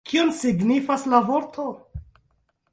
Kion signifas la vorto?